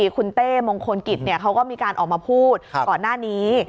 คุณเต้มงคลกิจเขาก็มีการออกมาพูดก่อนหน้านี้